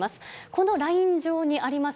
このライン上にあります